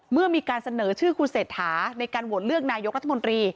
เมื่อมีการเสนอชื่อคุณเศรษฐาในการโหวตเลือกนายกรัฐมนตรี